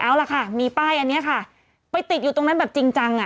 เอาล่ะค่ะมีป้ายอันนี้ค่ะไปติดอยู่ตรงนั้นแบบจริงจังอ่ะ